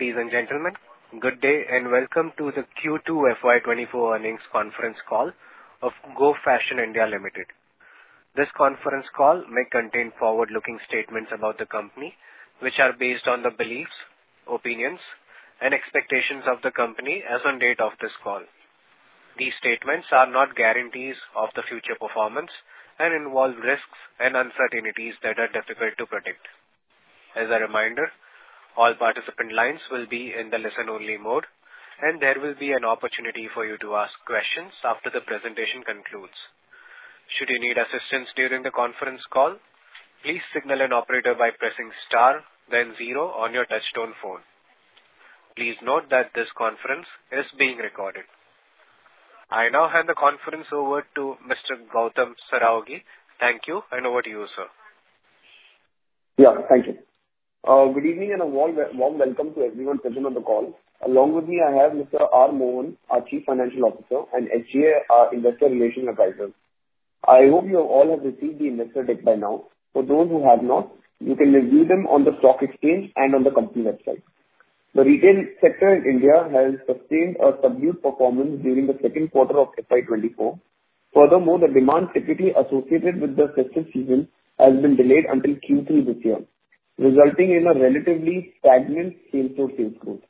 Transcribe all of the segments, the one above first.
Ladies and gentlemen, good day, and welcome to the Q2 FY 2024 earnings conference call of Go Fashion (India) Limited. This conference call may contain forward-looking statements about the company, which are based on the beliefs, opinions, and expectations of the company as on date of this call. These statements are not guarantees of the future performance and involve risks and uncertainties that are difficult to predict. As a reminder, all participant lines will be in the listen-only mode, and there will be an opportunity for you to ask questions after the presentation concludes. Should you need assistance during the conference call, please signal an operator by pressing star then zero on your touchtone phone. Please note that this conference is being recorded. I now hand the conference over to Mr. Gautam Saraogi. Thank you, and over to you, sir. Yeah, thank you. Good evening, and a warm, warm welcome to everyone present on the call. Along with me, I have Mr. R. Mohan, our Chief Financial Officer, and SGA, our Investor Relations Advisor. I hope you all have received the investor deck by now. For those who have not, you can review them on the stock exchange and on the company website. The retail sector in India has sustained a subdued performance during the second quarter of FY 2024. Furthermore, the demand typically associated with the festive season has been delayed until Q3 this year, resulting in a relatively stagnant same-store sales growth.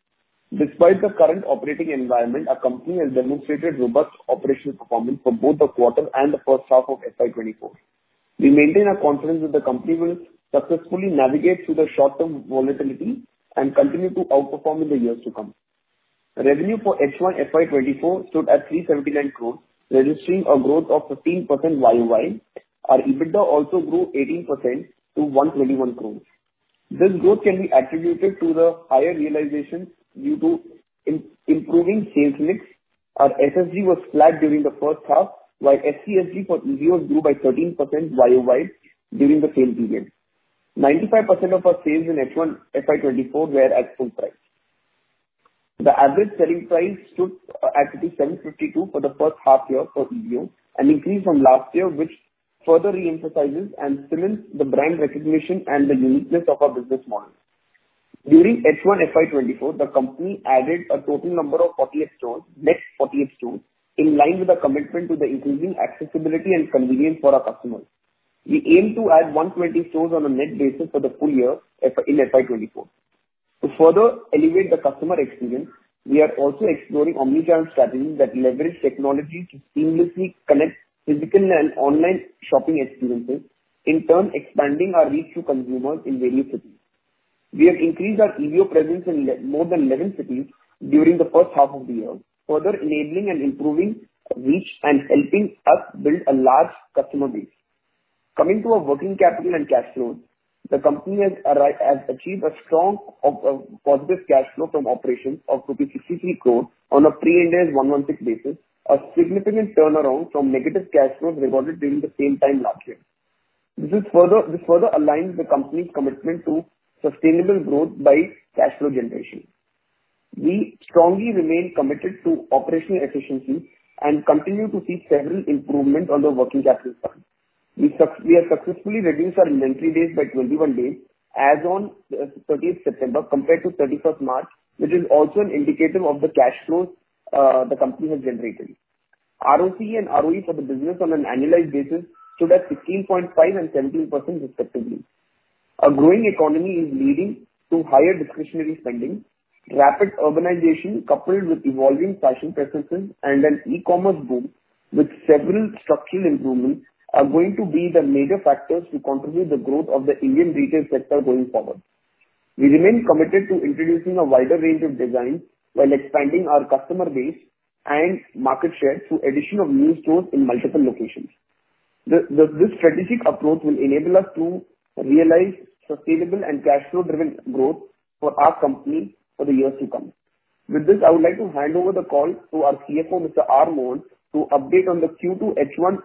Despite the current operating environment, our company has demonstrated robust operational performance for both the quarter and the first half of FY 2024. We maintain our confidence that the company will successfully navigate through the short-term volatility and continue to outperform in the years to come. Revenue for H1 FY 2024 stood at 379 crore, registering a growth of 15% YoY. Our EBITDA also grew 18% to 121 crore. This growth can be attributed to the higher realization due to improving sales mix. Our SSG was flat during the first half, while SCSG for EBO grew by 13% YoY during the same period. 95% of our sales in H1 FY 2024 were at full price. The average selling price stood at 752 for the first half year for EBO, an increase from last year, which further re-emphasizes and cements the brand recognition and the uniqueness of our business model. During H1 FY 2024, the company added a total number of 48 stores, net 48 stores, in line with our commitment to the increasing accessibility and convenience for our customers. We aim to add 120 stores on a net basis for the full year in FY 2024. To further elevate the customer experience, we are also exploring omni-channel strategies that leverage technology to seamlessly connect physical and online shopping experiences, in turn expanding our reach to consumers in various cities. We have increased our EBO presence in more than 11 cities during the first half of the year, further enabling and improving reach and helping us build a large customer base. Coming to our working capital and cash flows, the company has achieved a strong positive cash flow from operations of INR 63 crore on a pre-Ind AS 116 basis, a significant turnaround from negative cash flows recorded during the same time last year. This further aligns the company's commitment to sustainable growth by cash flow generation. We strongly remain committed to operational efficiency and continue to see several improvements on the working capital front. We have successfully reduced our inventory days by 21 days as on 13th September, compared to 31st March, which is also an indicator of the cash flows the company has generated. ROCE and ROE for the business on an annualized basis stood at 16.5% and 17% respectively. A growing economy is leading to higher discretionary spending, rapid urbanization, coupled with evolving fashion preferences and an e-commerce boom, with several structural improvements are going to be the major factors to contribute the growth of the Indian retail sector going forward. We remain committed to introducing a wider range of designs while expanding our customer base and market share through addition of new stores in multiple locations. This strategic approach will enable us to realize sustainable and cash flow-driven growth for our company for the years to come. With this, I would like to hand over the call to our CFO, Mr. R. Mohan, to update on the Q2 H1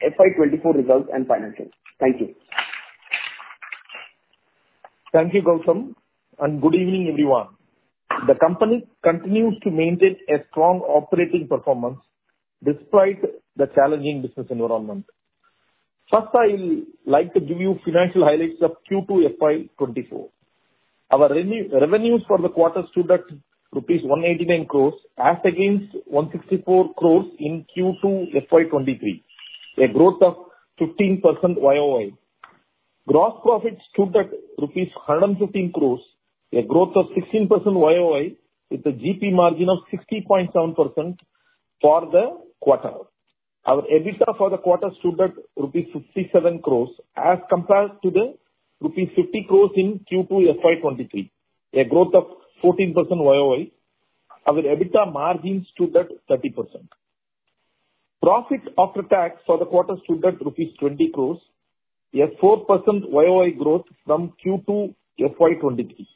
FY 2024 results and financials. Thank you. Thank you, Gautam, and good evening, everyone. The company continues to maintain a strong operating performance despite the challenging business environment. First, I'd like to give you financial highlights of Q2 FY 2024. Our revenues for the quarter stood at rupees 189 crores, as against 164 crores in Q2 FY 2023, a growth of 15% YoY. Gross profit stood at INR 115 crores, a growth of 16% YoY, with a GP margin of 60.7% for the quarter. Our EBITDA for the quarter stood at rupees 57 crores, as compared to rupees 50 crores in Q2 FY 2023, a growth of 14% YoY. Our EBITDA margin stood at 30%. Profit after tax for the quarter stood at rupees 20 crores, a 4% YoY growth from Q2 FY 2023.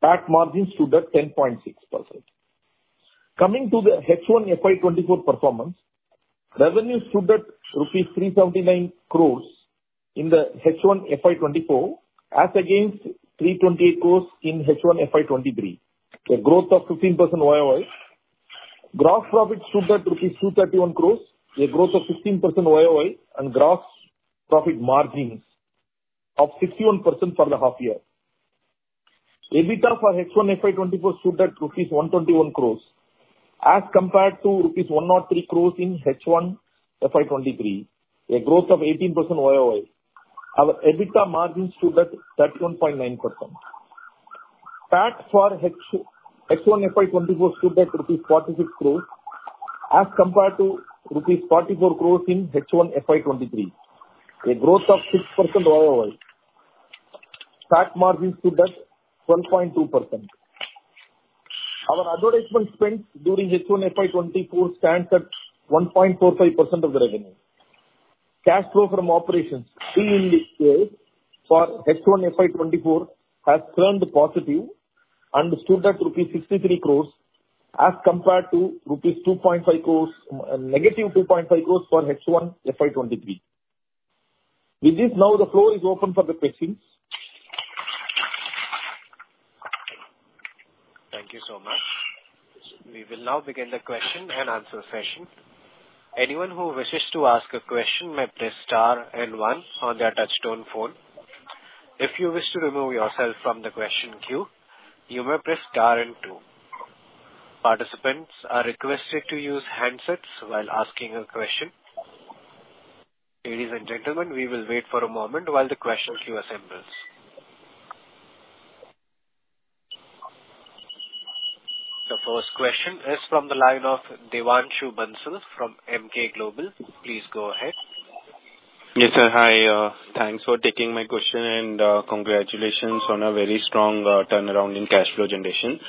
Tax margin stood at 10.6%. Coming to the H1 FY 2024 performance, revenue stood at rupees 379 crores in the H1 FY 2024, as against 328 crores in H1 FY 2023, a growth of 15% YoY.... Gross profit stood at rupees 231 crore, a growth of 16% YoY, and gross profit margins of 61% for the half year. EBITDA for H1 FY 2024 stood at rupees 121 crore, as compared to rupees 103 crore in H1 FY 2023, a growth of 18% YoY. Our EBITDA margins stood at 31.9%. Tax for H1 FY 2024 stood at rupees 46 crore, as compared to rupees 44 crore in H1 FY 2023, a growth of 6% YoY. Tax margins stood at 12.2%. Our advertisement spend during H1 FY 2024 stands at 1.45% of the revenue. Cash flow from operations for H1 FY 2024 has turned positive and stood at rupees 63 crore, as compared to rupees 2.5 crore, negative 2.5 crore for H1 FY 2023. With this, now the floor is open for the questions. Thank you so much. We will now begin the question and answer session. Anyone who wishes to ask a question may press star and one on their touchtone phone. If you wish to remove yourself from the question queue, you may press star and two. Participants are requested to use handsets while asking a question. Ladies and gentlemen, we will wait for a moment while the question queue assembles. The first question is from the line of Devanshu Bansal from Emkay Global. Please go ahead. Yes, sir. Hi, thanks for taking my question, and congratulations on a very strong turnaround in cash flow generation.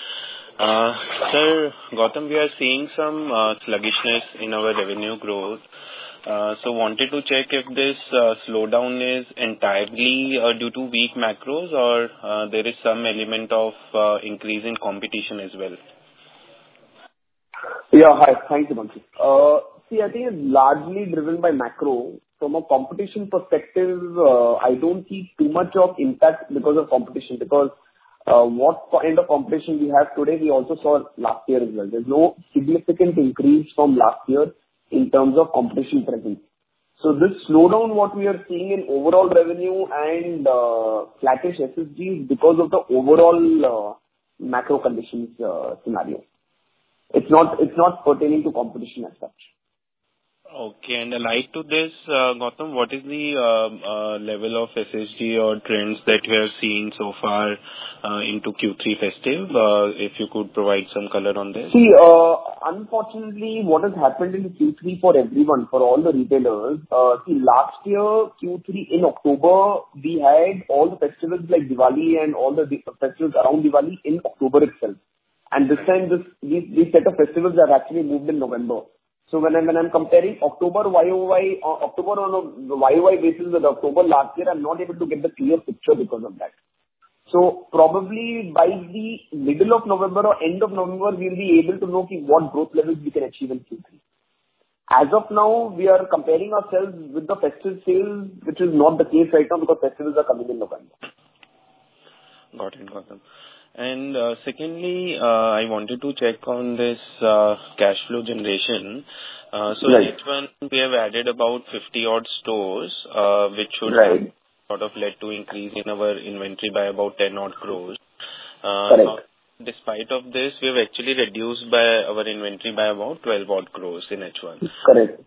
So, Gautam, we are seeing some sluggishness in our revenue growth. So wanted to check if this slowdown is entirely due to weak macros or there is someelement of increasing competition as well? Yeah. Hi. Thank you, Devanshu. See, I think it's largely driven by macro. From a competition perspective, I don't see too much of impact because of competition, because what kind of competition we have today, we also saw last year as well. There's no significant increase from last year in terms of competition trending. So this slowdown, what we are seeing in overall revenue and flattish SSG, is because of the overall macro conditions scenario. It's not, it's not pertaining to competition as such. Okay, and alike to this, Gautam, what is the level of SSG or trends that we are seeing so far into Q3 festive? If you could provide some color on this. See, unfortunately, what has happened in Q3 for everyone, for all the retailers, see, last year, Q3 in October, we had all the festivals like Diwali and all the festivals around Diwali in October itself. And this time, these set of festivals have actually moved in November. So when I'm comparing October YoY, October on a YoY basis with October last year, I'm not able to get the clear picture because of that. So probably by the middle of November or end of November, we'll be able to know ki what growth levels we can achieve in Q3. As of now, we are comparing ourselves with the festive sales, which is not the case right now, because festivals are coming in November. Got it, Gautam. And, secondly, I wanted to check on this, cash flow generation. Right. So H1, we have added about 50-odd stores, which should- Right. sort of lead to increase in our inventory by about 10 crore. Correct. Despite of this, we've actually reduced by our inventory by about 12 odd crores in H1. Correct.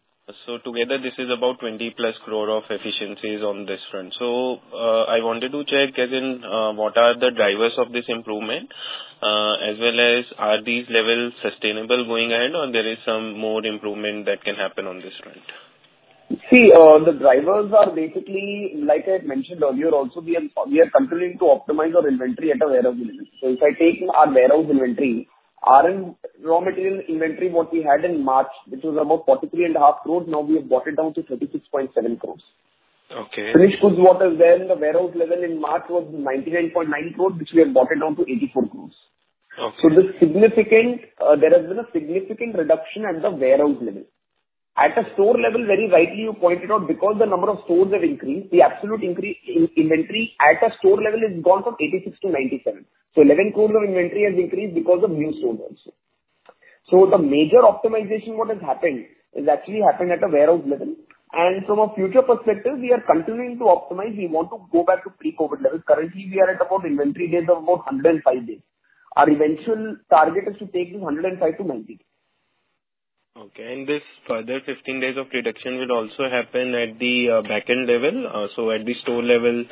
So together, this is about 20+ crore of efficiencies on this front. So, I wanted to check, as in, what are the drivers of this improvement, as well as are these levels sustainable going ahead, or there is some more improvement that can happen on this front? See, the drivers are basically, like I had mentioned earlier, also, we are continuing to optimize our inventory at a warehouse level. So if I take our warehouse inventory, our raw material inventory, what we had in March, which was about 43.5 crore, now we have brought it down to 36.7 crore. Okay. Finished goods, what was there in the warehouse level in March was 99.9 crore, which we have brought it down to 84 crore. Okay. So this significant, there has been a significant reduction at the warehouse level. At the store level, very rightly you pointed out, because the number of stores have increased, the absolute increase in inventory at the store level has gone from 86 to 97. So 11 crore of inventory has increased because of new stores also. So the major optimization, what has happened, is actually happened at a warehouse level. And from a future perspective, we are continuing to optimize. We want to go back to pre-COVID levels. Currently, we are at about inventory days of about 105 days. Our eventual target is to take this 105 days to 90 days. Okay. And this further 15 days of reduction will also happen at the back end level? So at the store level,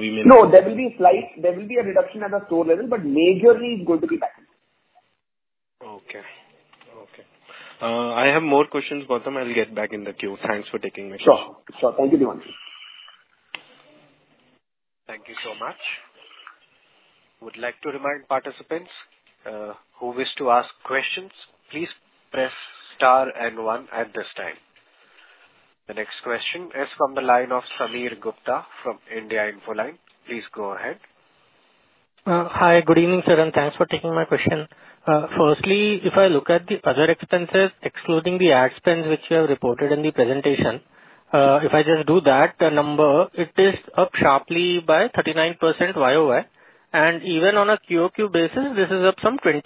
we may- No, there will be slight... There will be a reduction at the store level, but majorly it's going to be back end. Okay. Okay. I have more questions, Gautam. I'll get back in the queue. Thanks for taking my question. Sure. Sure. Thank you, Devanshu. Thank you so much. Would like to remind participants, who wish to ask questions, please press star and one at this time. The next question is from the line of Sameer Gupta from India Infoline. Please go ahead. Hi, good evening, sir, and thanks for taking my question. Firstly, if I look at the other expenses, excluding the ad spend, which you have reported in the presentation. If I just do that, the number, it is up sharply by 39% YoY, and even on a QoQ basis, this is up some 20%.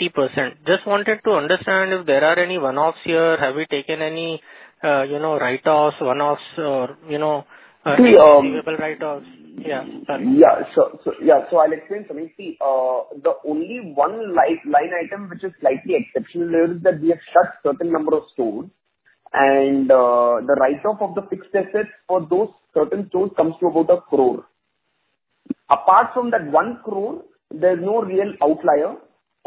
Just wanted to understand if there are any one-offs here. Have we taken any, you know, write-offs, one-offs or, you know, See, um- Receivable write-offs? Yeah. Sorry. Yeah. So, so yeah, so I'll explain, Sameer. See, the only one line, line item which is slightly exceptional here is that we have shut certain number of stores, and the write-off of the fixed assets for those certain stores comes to about 1 crore. Apart from that one crore, there's no real outlier.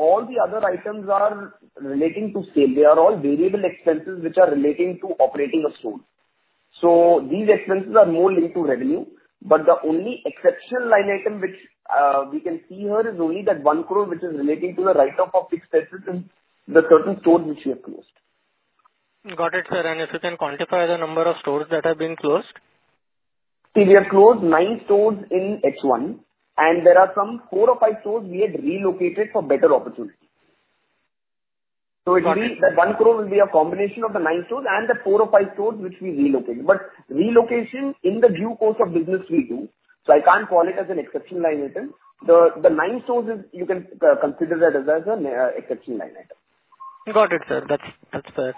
All the other items are relating to sales. They are all variable expenses which are relating to operating of stores. So these expenses are more linked to revenue, but the only exceptional line item which we can see here is only that one crore, which is relating to the write-off of fixed assets in the certain stores which we have closed. Got it, sir. And if you can quantify the number of stores that have been closed? See, we have closed 9 stores in H1, and there are some four or five stores we had relocated for better opportunity. Got it. So it will be... That 1 crore will be a combination of the nine stores and the four or five stores which we relocated. But relocation in the due course of business we do, so I can't call it as an exceptional line item. The nine stores, you can consider that as an exceptional line item. Got it, sir. That's, that's fair.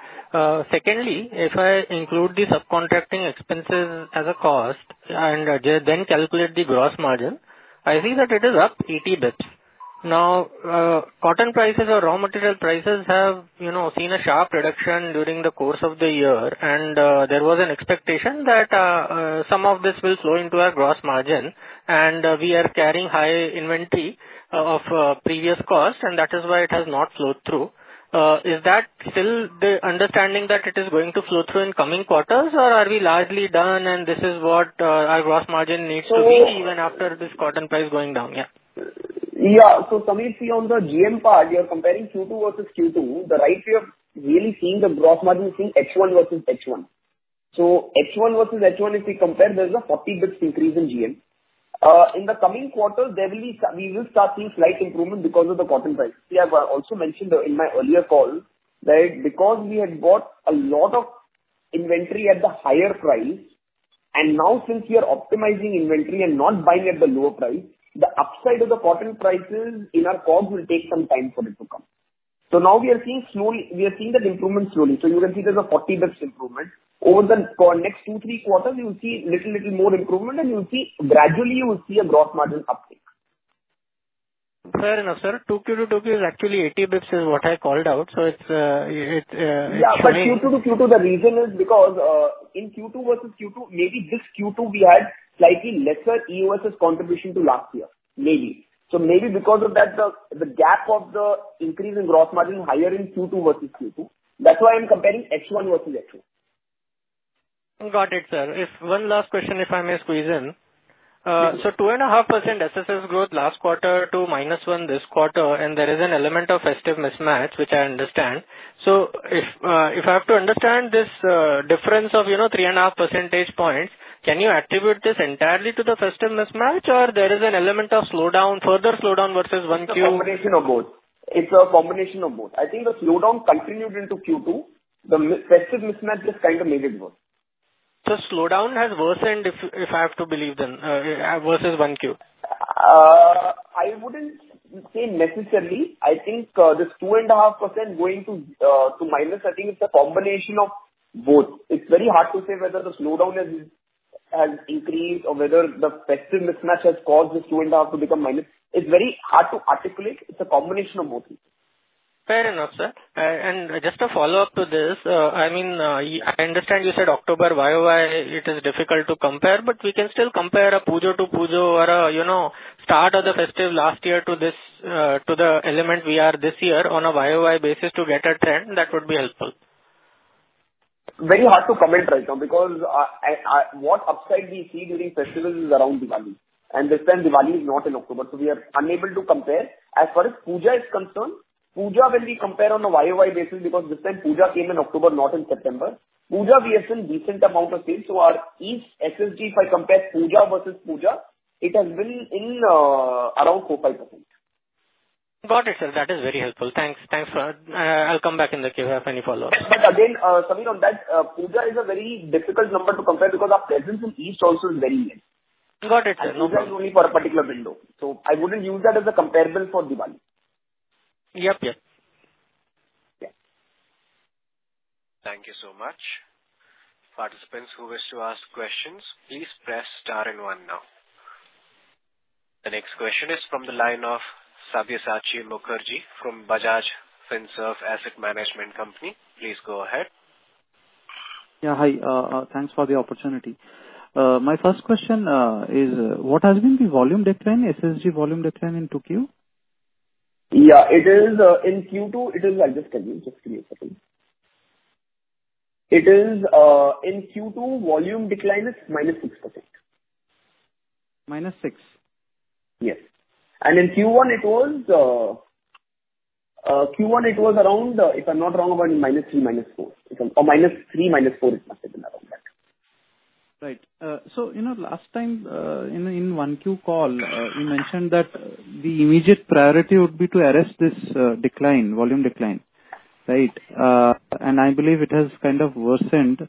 Secondly, if I include the subcontracting expenses as a cost and then calculate the gross margin, I see that it is up 80 basis points. Now, cotton prices or raw material prices have, you know, seen a sharp reduction during the course of the year, and there was an expectation that some of this will flow into our gross margin, and we are carrying high inventory of previous costs, and that is why it has not flowed through. Is that still the understanding, that it is going to flow through in coming quarters, or are we largely done and this is what our gross margin needs to be- So- even after this cotton price going down? Yeah. Yeah. So, Sameer, see, on the GM part, you're comparing Q2 versus Q2. The right way of really seeing the gross margin is seeing H1 versus H1. So H1 versus H1, if we compare, there's a 40 bits increase in GM. In the coming quarters, there will be we will start seeing slight improvement because of the cotton price. We have, I also mentioned in my earlier call that because we had bought a lot of inventory at the higher price, and now since we are optimizing inventory and not buying at the lower price, the upside of the cotton prices in our cost will take some time for it to come. So now we are seeing slowly, we are seeing that improvement slowly. So you can see there's a 40 bits improvement. Over the next two-three quarters, you'll see little, little more improvement, and you'll see, gradually you will see a gross margin uptick. Fair enough, sir. 2Q to 2Q is actually 80 bps, is what I called out, so it's. Yeah, but Q2 to Q2, the reason is because in Q2 versus Q2, maybe this Q2 we had slightly lesser EOSS contribution to last year. Maybe. So maybe because of that, the gap of the increase in gross margin is higher in Q2 versus Q2. That's why I'm comparing H1 versus H2. Got it, sir. If one last question, if I may squeeze in. Mm-hmm. So 2.5% SSS growth last quarter to -1% this quarter, and there is an element of festive mismatch, which I understand. So if I have to understand this difference of, you know, 3.5 percentage points, can you attribute this entirely to the festive mismatch, or there is an element of slowdown, further slowdown versus Q1? It's a combination of both. It's a combination of both. I think the slowdown continued into Q2. The festive mismatch just kind of made it worse. So slowdown has worsened, if I have to believe then, versus 1Q? I wouldn't say necessarily. I think, this 2.5% going to, to minus, I think it's a combination of both. It's very hard to say whether the slowdown has increased or whether the festive mismatch has caused the 2.5 to become minus. It's very hard to articulate. It's a combination of both. Fair enough, sir. And just a follow-up to this, I mean, I understand you said October YoY, it is difficult to compare, but we can still compare a Puja to Puja or a, you know, start of the festive last year to this, to the element we are this year on a YoY basis to get a trend, that would be helpful. Very hard to comment right now because, What upside we see during festival is around Diwali, and this time Diwali is not in October, so we are unable to compare. As far as Puja is concerned, Puja, when we compare on a YoY basis, because this time Puja came in October, not in September. Puja we have seen decent amount of sales, so our each SSG, if I compare Puja versus Puja, it has been in around 4%-5%. Got it, sir. That is very helpful. Thanks. Thanks for that. I'll come back in the queue if I have any follow-up. But again, Samir, on that, Puja is a very difficult number to compare because our presence in East also is very less. Got it. Puja is only for a particular window, so I wouldn't use that as a comparable for Diwali. Yep. Yep. Yeah. Thank you so much. Participants who wish to ask questions, please press star and one now. The next question is from the line of Sabyasachi Mukerji from Bajaj Finserv Asset Management Company. Please go ahead. Yeah, hi. Thanks for the opportunity. My first question is: What has been the volume decline, SSG volume decline in 2Q? Yeah, it is in Q2. I'll just tell you. Just give me a second. It is in Q2, volume decline is -6%. Minus six? Yes. And in Q1, it was, Q1 it was around, if I'm not wrong, about -3, -4. It was, -3, -4, it must have been around that. Right. So, you know, last time, in, in one Q call, you mentioned that the immediate priority would be to arrest this, decline, volume decline... Right. And I believe it has kind of worsened.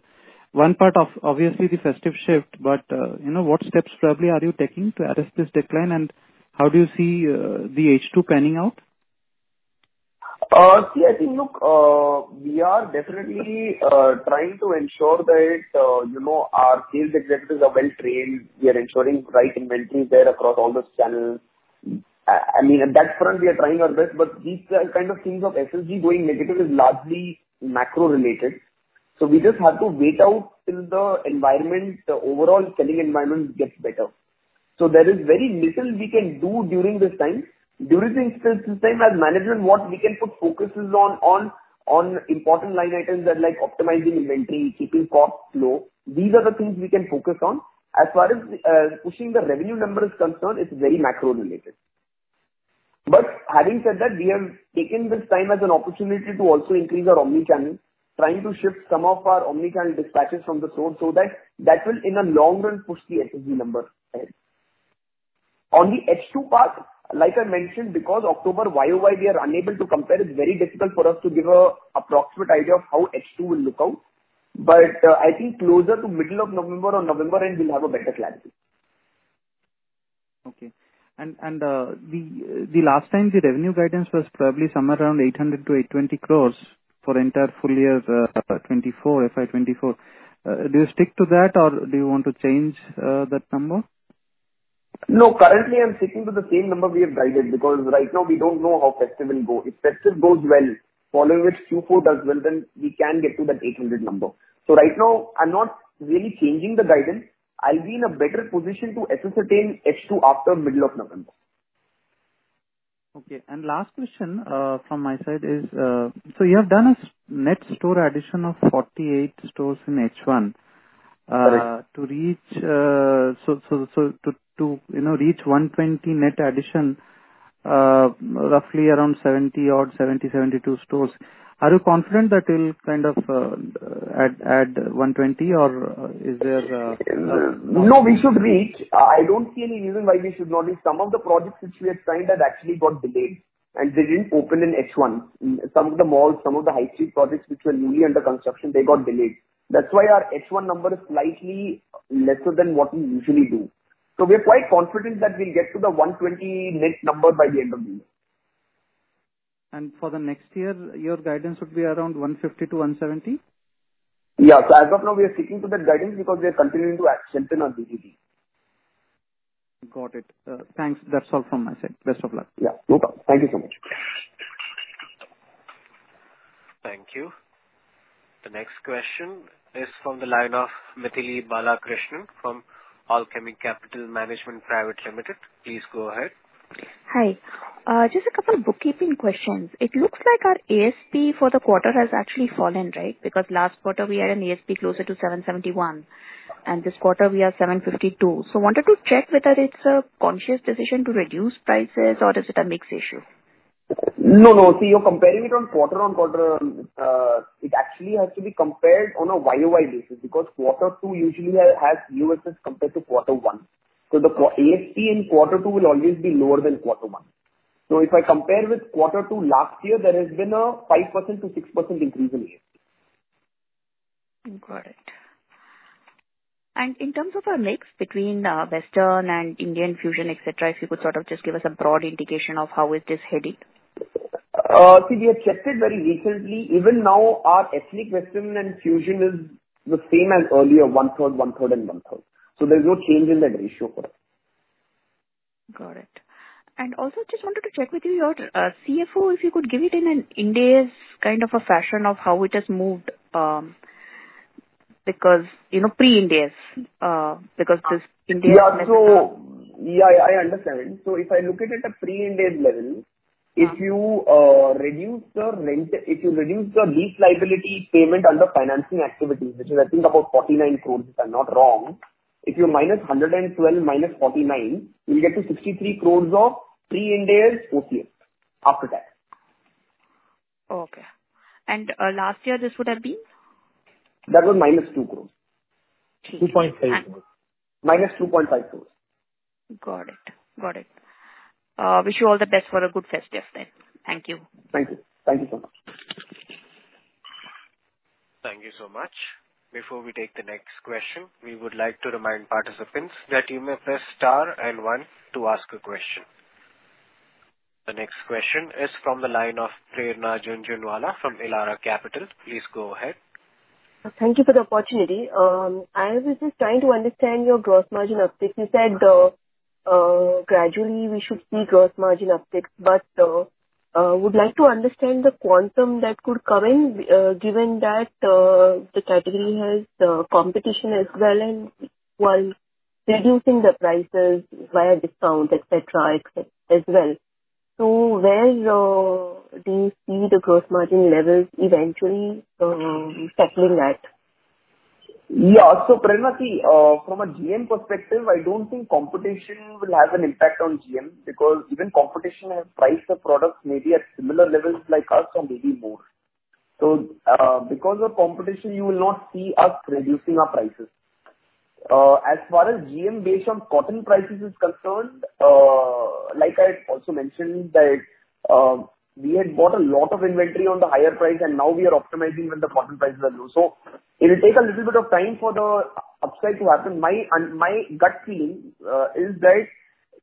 One part of, obviously, the festive shift, but, you know, what steps probably are you taking to arrest this decline, and how do you see, the H2 panning out? See, I think, look, we are definitely trying to ensure that, you know, our sales executives are well trained. We are ensuring right inventory is there across all those channels. I mean, on that front, we are trying our best, but these kind of things of SSG going negative is largely macro-related. So we just have to wait out till the environment, the overall selling environment gets better. So there is very little we can do during this time. During this still time as management, what we can put focuses on important line items that like optimizing inventory, keeping costs low. These are the things we can focus on. As far as pushing the revenue number is concerned, it's very macro-related. But having said that, we have taken this time as an opportunity to also increase our omni-channel, trying to shift some of our omni-channel dispatches from the store, so that, that will, in the long run, push the SSG number ahead. On the H2 part, like I mentioned, because October YoY, we are unable to compare, it's very difficult for us to give an approximate idea of how H2 will look like. But, I think closer to middle of November or November end, we'll have a better clarity. Okay. And the last time the revenue guidance was probably somewhere around 800 crore-820 crore for the entire full year, 2024, FY 2024. Do you stick to that or do you want to change that number? No, currently I'm sticking to the same number we have guided, because right now we don't know how festive will go. If festive goes well, following which Q4 does well, then we can get to that 800 number. So right now I'm not really changing the guidance. I'll be in a better position to ascertain H2 after middle of November. Okay. Last question from my side is, so you have done a net store addition of 48 stores in H1. Right. So, to, you know, reach 120 net addition, roughly around 70 or 72 stores, are you confident that it'll kind of add 120, or is there- No, we should reach. I don't see any reason why we should not reach. Some of the projects which we had signed had actually got delayed, and they didn't open in H1. Some of the malls, some of the high street projects which were newly under construction, they got delayed. That's why our H1 number is slightly lesser than what we usually do. So we're quite confident that we'll get to the 120 net number by the end of the year. For the next year, your guidance would be around 150-170? Yeah. So as of now, we are sticking to that guidance because we are continuing to execute on our [DDD]. Got it. Thanks. That's all from my side. Best of luck. Yeah, no problem. Thank you so much. Thank you. The next question is from the line of Mythili Balakrishnan from Alchemy Capital Management Private Limited. Please go ahead. Hi. Just a couple of bookkeeping questions. It looks like our ASP for the quarter has actually fallen, right? Because last quarter we had an ASP closer to 771, and this quarter we are 752. So wanted to check whether it's a conscious decision to reduce prices or is it a mix issue? No, no. See, you're comparing it on quarter-on-quarter, it actually has to be compared on a YoY basis, because Quarter Two usually has lower sales compared to Quarter One. So the ASP in Quarter Two will always be lower than Quarter One. So if I compare with Quarter Two last year, there has been a 5%-6% increase in ASP. Got it. In terms of our mix between Western and Indian fusion, et cetera, if you could sort of just give us a broad indication of how it is heading? See, we have checked it very recently. Even now, our ethnic, western and fusion is the same as earlier, 1/3, 1/3 and 1/3. So there's no change in that ratio for us. Got it. And also just wanted to check with you, our CFO, if you could give it in an Ind AS kind of a fashion of how it has moved, because, you know, pre-Ind AS, because this Ind AS- Yeah. So... Yeah, I, I understand. So if I look at it at a pre-Ind AS level- Uh. If you reduce your rent, if you reduce your lease liability payment under financing activities, which is I think about 49 crore, if I'm not wrong, if you minus 112 minus 49, you'll get to 63 crore of pre-Ind AS OCF, after tax. Okay. And, last year, this would have been? That was -2 crore. Okay. 2.5 crore. -2.5 crore. Got it. Got it. Wish you all the best for a good festive then. Thank you. Thank you. Thank you so much. Thank you so much. Before we take the next question, we would like to remind participants that you may press star and one to ask a question. The next question is from the line of Prerna Jhunjhunwala from Elara Capital. Please go ahead. Thank you for the opportunity. I was just trying to understand your gross margin uptake. You said, gradually we should see gross margin uptake, but, would like to understand the quantum that could come in, given that, the category has, competition as well, and while reducing the prices via discount, et cetera, as well. So where, do you see the gross margin levels eventually, settling at? Yeah. So Prerna, see, from a GM perspective, I don't think competition will have an impact on GM, because even competition has priced the products maybe at similar levels like us or maybe more. So, because of competition, you will not see us reducing our prices. As far as GM based on cotton prices is concerned, like I also mentioned that, we had bought a lot of inventory on the higher price, and now we are optimizing when the cotton prices are low. So it will take a little bit of time for the upside to happen. My, my gut feeling, is that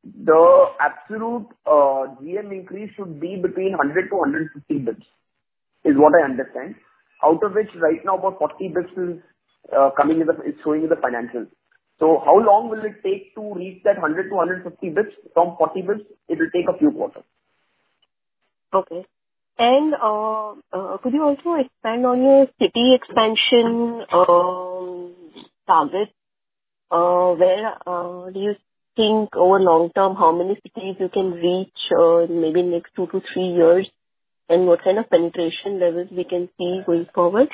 the absolute, GM increase should be between 100 basis points -150 basis points, is what I understand. Out of which right now about 40 basis points is showing in the financials. How long will it take to reach that 100 basis points -150 basis points? From 40 basis points, it will take a few quarters. Okay. And could you also expand on your city expansion target? Where do you think over long term, how many cities you can reach, maybe in next two to three years? And what kind of penetration levels we can see going forward?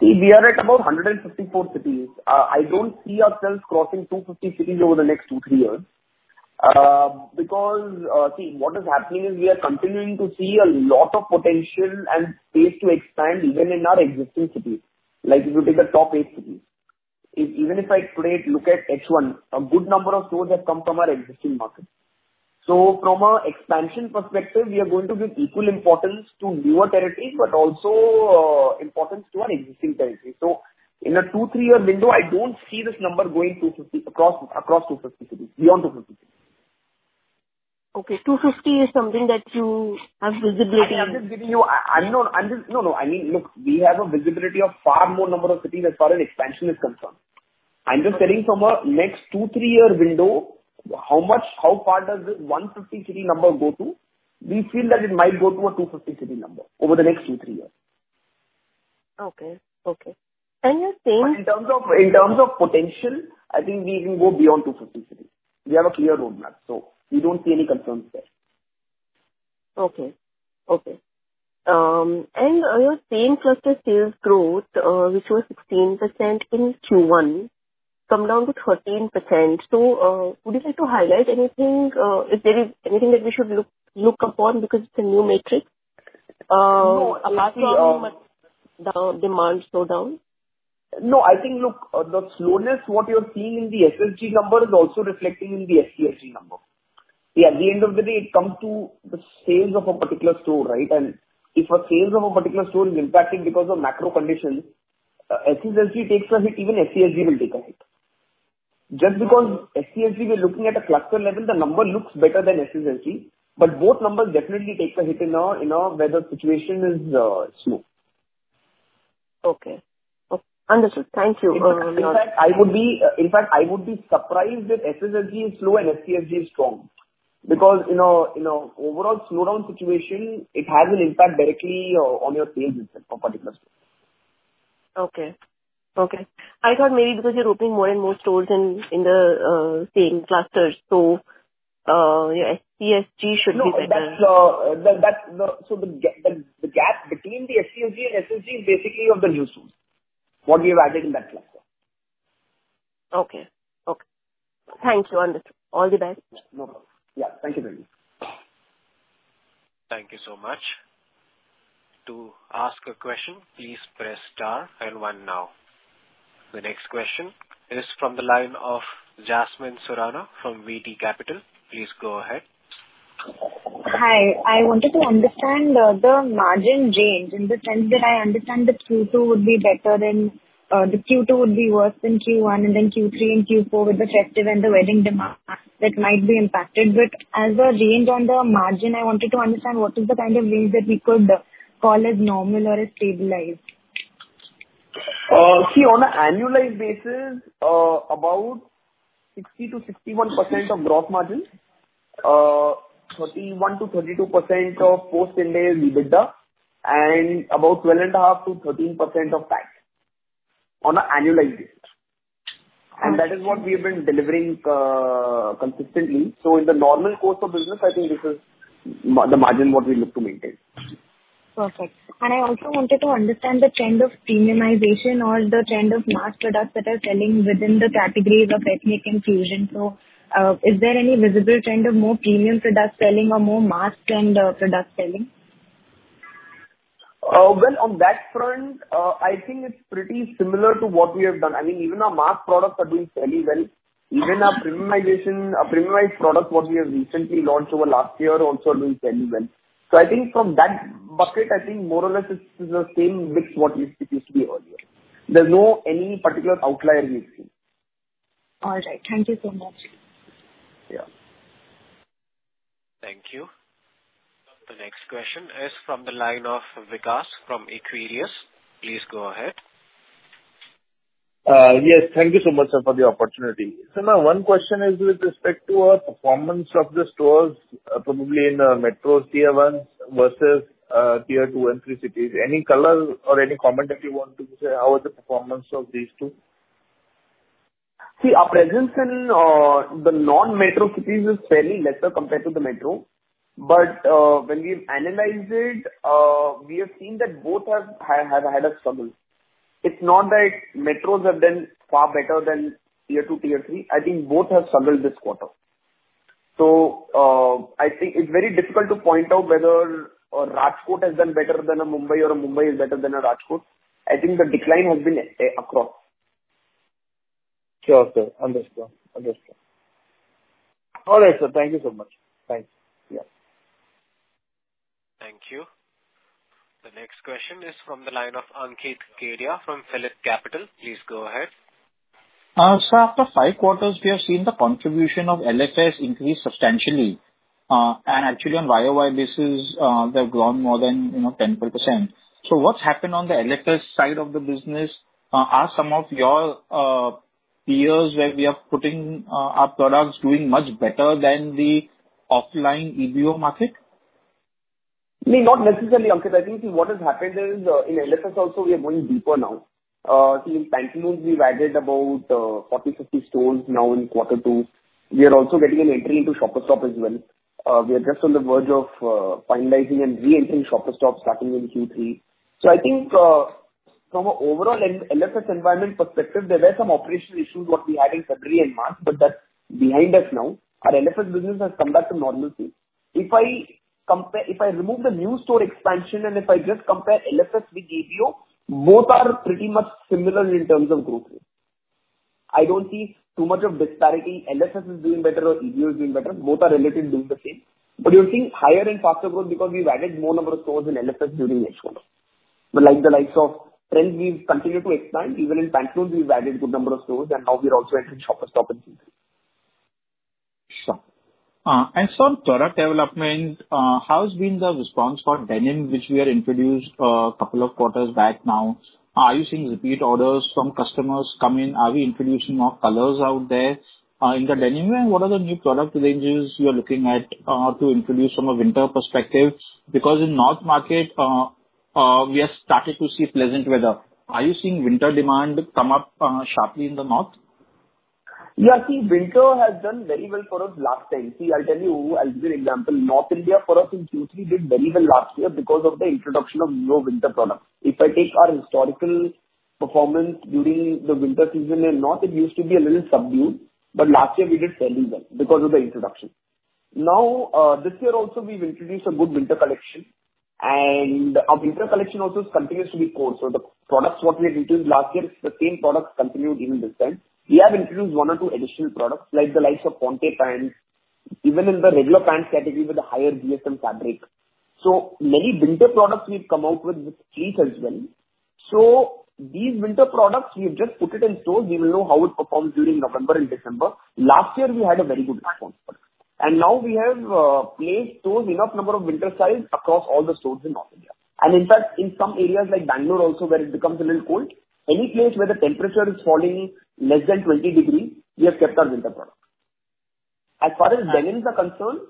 See, we are at about 154 cities. I don't see ourselves crossing 250 cities over the next two years to three years. Because, see, what is happening is we are continuing to see a lot of potential and space to expand even in our existing cities. Like if you take the top eight cities, even if I today look at H1, a good number of stores have come from our existing markets. So from an expansion perspective, we are going to give equal importance to newer territories, but also, importance to our existing territories. So in a two-three year window, I don't see this number going 250, across, across 250 cities, beyond 250 cities. Okay. 250 is something that you have visibility of? I'm just giving you... No, no, I mean, look, we have a visibility of far more number of cities as far as expansion is concerned. I'm just telling from a next two years-three year window, how much, how far does this 150 city number go to? We feel that it might go to a 250 city number over the next two years -three years. Okay. Okay. And you're saying- In terms of potential, I think we can go beyond 250 cities. We have a clear roadmap, so we don't see any concerns there. Okay. Okay. And your same-cluster sales growth, which was 16% in Q1, come down to 13%. So, would you like to highlight anything, if there is anything that we should look upon because it's a new metric? No, I think, the demand slowdown. No, I think, look, the slowness, what you're seeing in the SSSG number is also reflecting in the SCSG number. Yeah, at the end of the day, it comes to the sales of a particular store, right? And if a sales of a particular store is impacting because of macro conditions, SSSG takes a hit, even SCSG will take a hit. Just because- Okay. SCSG, we are looking at a cluster level, the number looks better than SSSG, but both numbers definitely take a hit in a weather situation, it's slow. Okay. Understood. Thank you. In fact, I would be surprised if SSSG is slow and SCSG is strong, because, you know, in an overall slowdown situation, it has an impact directly on your sales itself of particular store. Okay. Okay. I thought maybe because you're opening more and more stores in the same clusters, so your SCSG should be better. No, that's the gap between the SCSG and SSG is basically of the new stores, what we have added in that cluster. Okay. Okay. Thank you. Understood. All the best. No problem. Yeah. Thank you, Vandana. Thank you so much. To ask a question, please press star and one now. The next question is from the line of Jasmine Surana from VT Capital. Please go ahead. Hi. I wanted to understand, the margin change in the sense that I understand the Q2 would be better than, the Q2 would be worse than Q1, and then Q3 and Q4 with the festive and the wedding demand that might be impacted. But as a range on the margin, I wanted to understand what is the kind of range that we could call as normal or as stabilized? See, on an annualized basis, about 60%-61% of gross margin, 31%-32% of post-interest EBITDA, and about 12.5%-13% of tax, on an annualized basis. Okay. That is what we have been delivering consistently. In the normal course of business, I think this is the margin what we look to maintain. Perfect. And I also wanted to understand the trend of premiumization or the trend of mass products that are selling within the categories of ethnic and fusion. So, is there any visible trend of more premium products selling or more mass trend, products selling? Well, on that front, I think it's pretty similar to what we have done. I mean, even our mass products are doing fairly well. Okay. Even our premiumization, our premiumized products, what we have recently launched over last year, are also doing fairly well. So I think from that bucket, I think more or less it's the same mix what it, it used to be earlier. There's no any particular outlier we've seen. All right. Thank you so much. Yeah. Thank you. The next question is from the line of Vikas from Equirus. Please go ahead. Yes. Thank you so much, sir, for the opportunity. So now one question is with respect to performance of the stores, probably in metro tier one versus tier two and three cities. Any color or any comment that you want to say, how was the performance of these two? See, our presence in the non-metro cities is fairly lesser compared to the metro. But, when we analyze it, we have seen that both have had a struggle. It's not that metros have done far better than tier two, tier three. I think both have struggled this quarter. So, I think it's very difficult to point out whether Rajkot has done better than a Mumbai or a Mumbai is better than a Rajkot. I think the decline has been across. Sure, sir. Understand, understand. All right, sir, thank you so much. Thanks. Yeah. Thank you. The next question is from the line of Ankit Kedia from PhillipCapital. Please go ahead. So after five quarters, we have seen the contribution of LFS increase substantially. And actually on YoY basis, they've grown more than, you know, 10%-12%. So what's happened on the LFS side of the business? Are some of your peers where we are putting our products doing much better than the offline EBO market? No, not necessarily, Ankit. I think see, what has happened is, in LFS also we are going deeper now. See, in Pantaloons we've added about 40, 50 stores now in quarter two. We are also getting an entry into Shoppers Stop as well. We are just on the verge of finalizing and re-entering Shoppers Stop, starting in Q3. So I think, from an overall LFS environment perspective, there were some operational issues, what we had in February and March, but that's behind us now. Our LFS business has come back to normalcy. If I compare. If I remove the new store expansion and if I just compare LFS with EBO, both are pretty much similar in terms of growth rate. I don't see too much of disparity. LFS is doing better or EBO is doing better, both are relatively doing the same. But you're seeing higher and faster growth because we've added more number of stores in LFS during H1. But like the likes of Trends, we've continued to expand. Even in Pantaloons, we've added good number of stores, and now we are also entering Shoppers Stop in Q3. Sure. And so on product development, how has been the response for denim, which we are introduced, couple of quarters back now? Are you seeing repeat orders from customers come in? Are we introducing more colors out there? In the denim wear, what are the new product ranges you are looking at, to introduce from a winter perspective? Because in North market, we are starting to see pleasant weather. Are you seeing winter demand come up, sharply in the North? Yeah, I think winter has done very well for us last time. See, I'll tell you, I'll give you an example. North India, for us in Q3, did very well last year because of the introduction of new winter products. If I take our historical performance during the winter season in North, it used to be a little subdued, but last year we did very well because of the introduction. Now, this year also we've introduced a good winter collection, and our winter collection also continues to be core. So the products what we had introduced last year, the same products continued even this time. We have introduced one or two additional products, like the likes of ponte pants, even in the regular pants category with the higher GSM fabric. So many winter products we've come out with, with crease as well. So these winter products, we've just put it in stores. We will know how it performs during November and December. Last year we had a very good response. And now we have placed those enough number of winter styles across all the stores in North India. And in fact, in some areas like Bangalore also, where it becomes a little cold, any place where the temperature is falling less than 20 degrees, we have kept our winter products. As far as denims are concerned,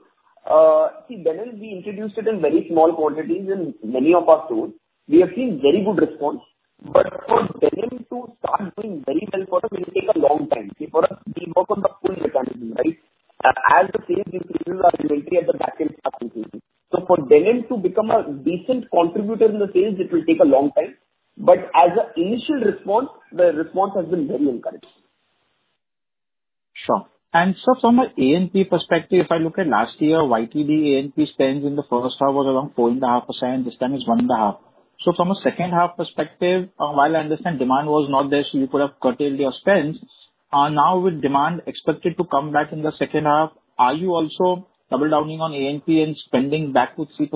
see, denims, we introduced it in very small quantities in many of our stores. We have seen very good response, but for denim to start doing very well for us will take a long time. See, for us, we work on the full mechanism, right? As the sales increase, our inventory at the back end starts increasing. For denim to become a decent contributor in the sales, it will take a long time, but as an initial response, the response has been very encouraging. Sure. And so from an A&P perspective, if I look at last year, YTD A&P spends in the first half was around 4.5%. This time it's 1.5. So from a second half perspective, while I understand demand was not there, so you could have curtailed your spends, now with demand expected to come back in the second half, are you also double downing on A&P and spending back to 3%,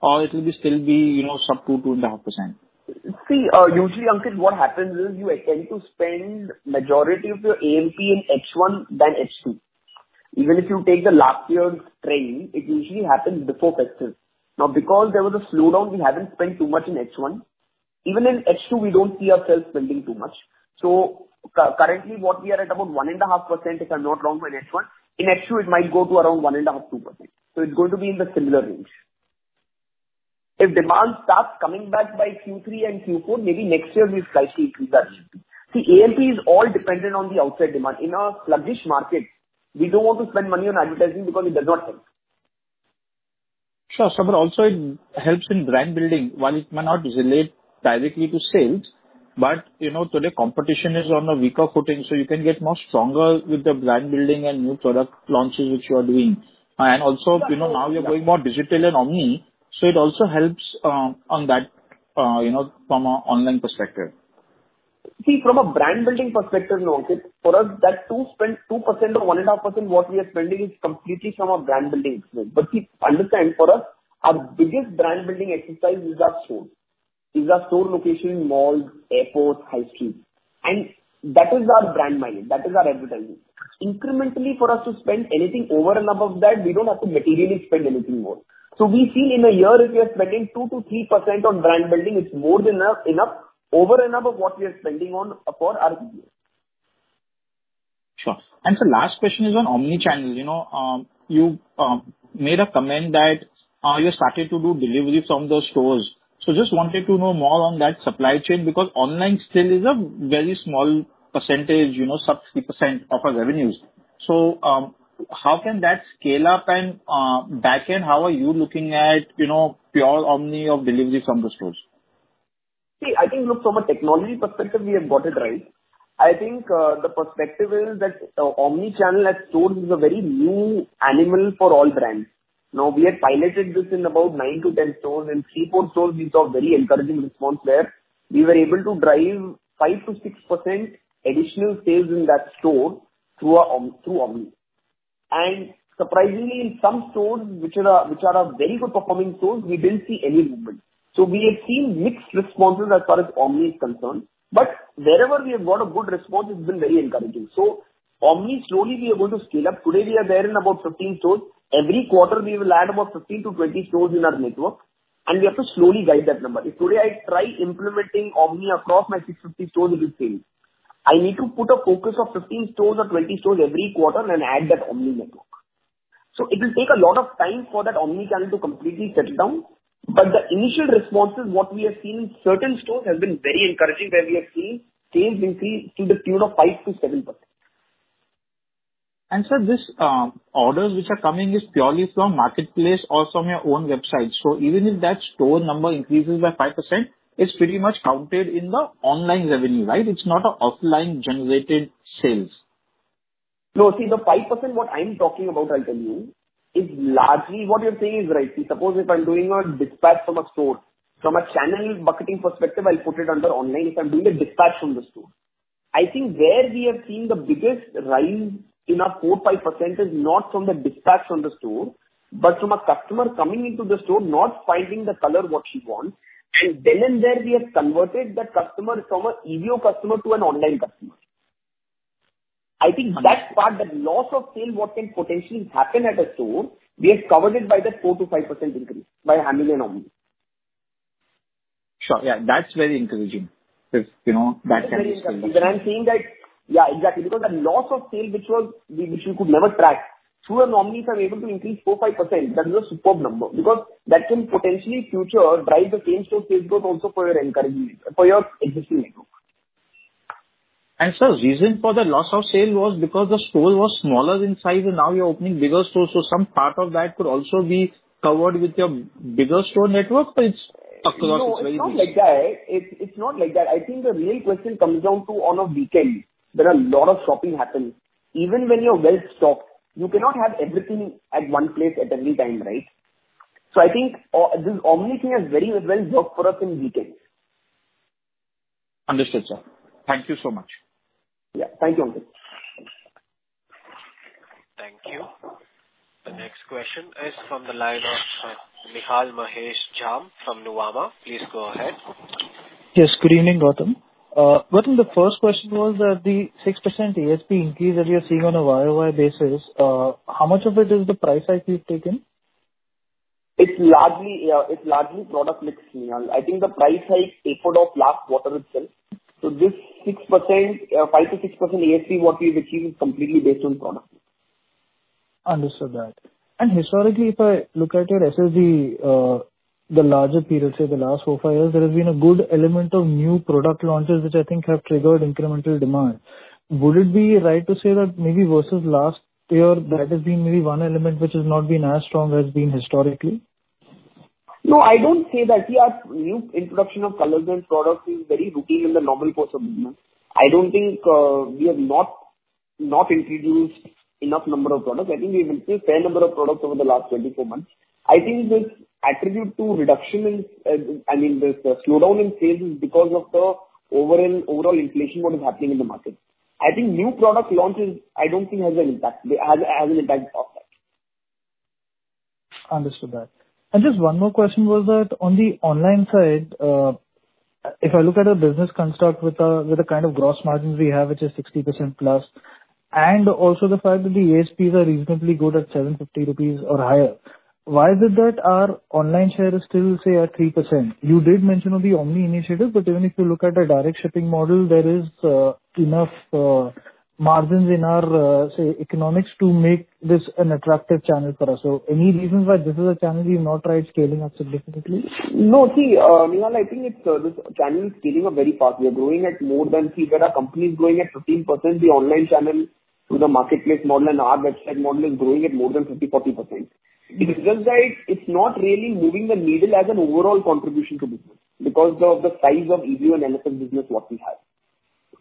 or it will be still be, you know, sub 2, 2.5%? See, usually, Ankit, what happens is, you tend to spend majority of your A&P in H1 than H2. Even if you take the last year's trend, it usually happens before festive. Now, because there was a slowdown, we haven't spent too much in H1. Even in H2, we don't see ourselves spending too much. So currently what we are at about 1.5%, if I'm not wrong, by H1. In H2, it might go to around 1.5%-2%. So it's going to be in the similar range. If demand starts coming back by Q3 and Q4, maybe next year we slightly increase our A&P. See, A&P is all dependent on the outside demand. In a sluggish market, we don't want to spend money on advertising because it does not help. Sure, sir, but also it helps in brand building. While it may not relate directly to sales, but, you know, today competition is on a weaker footing, so you can get more stronger with the brand building and new product launches which you are doing. And also, you know, now you're going more digital and omni, so it also helps, on that, you know, from a online perspective. See, from a brand building perspective, Ankit, for us, that 2% spend, 2% or 1.5%, what we are spending is completely from a brand building expense. But see, understand, for us, our biggest brand building exercise is our stores. Is our store location in malls, airports, high streets, and that is our brand building, that is our advertising. Incrementally, for us to spend anything over and above that, we don't have to materially spend anything more. So we feel in a year, if we are spending 2%-3% on brand building, it's more than enough, enough, over and above what we are spending on for our business. Sure. And so last question is on omni-channel. You know, you made a comment that you started to do delivery from the stores. So just wanted to know more on that supply chain, because online still is a very small percentage, you know, sub 3% of our revenues. So, how can that scale up? And, backend, how are you looking at, you know, pure omni of delivery from the stores?... See, I think, look, from a technology perspective, we have got it right. I think, the perspective is that, omni-channel as stores is a very new animal for all brands. Now, we had piloted this in about nine stores - ten stores, and three stores - four stores we saw very encouraging response where we were able to drive 5%-6% additional sales in that store through our om- through omni. And surprisingly, in some stores which are a very good performing stores, we didn't see any movement. So we have seen mixed responses as far as omni is concerned, but wherever we have got a good response, it's been very encouraging. So omni, slowly we are going to scale up. Today, we are there in about 15 stores. Every quarter we will add about 15-20 stores in our network, and we have to slowly guide that number. If today I try implementing omni across my 650 stores, it will fail. I need to put a focus of 15 stores or 20 stores every quarter and add that omni network. So it will take a lot of time for that omni-channel to completely settle down, but the initial responses, what we have seen in certain stores has been very encouraging, where we have seen sales increase to the tune of 5%-7%. Sir, this orders which are coming is purely from marketplace or from your own website. So even if that store number increases by 5%, it's pretty much counted in the online revenue, right? It's not a offline generated sales. No. See, the 5% what I'm talking about, I'll tell you, is largely what you're saying is right. See, suppose if I'm doing a dispatch from a store, from a channel bucketing perspective, I'll put it under online if I'm doing a dispatch from the store. I think where we have seen the biggest rise in our 4%-5% is not from the dispatch from the store, but from a customer coming into the store, not finding the color what she wants, and then and there, we have converted that customer from an EBO customer to an online customer. I think that part, the loss of sale, what can potentially happen at a store, we have covered it by the 4%-5% increase by handling an omni. Sure. Yeah, that's very encouraging. Because, you know, that can be- That's very encouraging. When I'm saying that... Yeah, exactly. Because the loss of sale, which was, which we could never track, through an omni channel we are able to increase 4%-5%, that is a superb number, because that can potentially future drive the same store sales growth also for your encouraging, for your existing network. Sir, reason for the loss of sale was because the store was smaller in size, and now you're opening bigger stores, so some part of that could also be covered with your bigger store network, but it's across- No, it's not like that. It's not like that. I think the real question comes down to on a weekend there are a lot of shopping happens. Even when you're well stocked, you cannot have everything at one place at any time, right? So I think this omni thing has very well worked for us in weekends. Understood, sir. Thank you so much. Yeah. Thank you, Ankit. Thank you. The next question is from the line of Nihal Mahesh Jham from Nuvama. Please go ahead. Yes, good evening, Gautam. Gautam, the first question was that the 6% ASP increase that you're seeing on a YoY basis, how much of it is the price hike you've taken? It's largely, yeah, it's largely product mix, Nihal. I think the price hike tapered off last quarter itself. So this 6%, 5%-6% ASP what we've achieved is completely based on product. Understood that. Historically, if I look at your SSG, the larger period, say, the last 4 years, 5 years, there has been a good element of new product launches which I think have triggered incremental demand. Would it be right to say that maybe versus last year, that has been maybe one element which has not been as strong as has been historically? No, I don't say that. Yeah, new introduction of colors and products is very routine in the normal course of business. I don't think we have not introduced enough number of products. I think we've introduced fair number of products over the last 24 months. I think this attribute to reduction in, I mean, this slowdown in sales is because of the overall, overall inflation, what is happening in the market. I think new product launches, I don't think has an impact, has an impact on that. Understood that. And just one more question was that on the online side, if I look at a business construct with a, with the kind of gross margins we have, which is 60%+, and also the fact that the ASPs are reasonably good at 750 rupees or higher, why is it that our online share is still, say, at 3%? You did mention on the omni initiative, but even if you look at the direct shipping model, there is enough margins in our say economics to make this an attractive channel for us. So any reasons why this is a channel you've not tried scaling up significantly? No. See, Nihal, I think it's this channel is scaling up very fast. We are growing at more than... See, where our company is growing at 15%, the online channel through the marketplace model and our website model is growing at more than 50%, 40%. It's just that it's not really moving the needle as an overall contribution to business because of the size of EBO and LFS business what we have.